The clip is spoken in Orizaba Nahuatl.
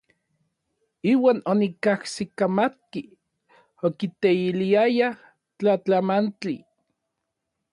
Iuan onikajsikamatki okiteiliayaj tlatlamantli.